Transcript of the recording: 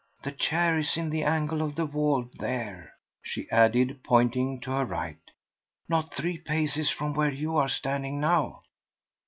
The chair is in the angle of the wall, there," she added, pointing to her right, "not three paces from where you are standing now.